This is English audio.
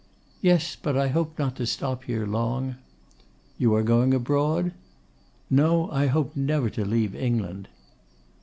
'Yes; but I hope not to stop here long?' 'You are going abroad?' 'No; I hope never to leave England!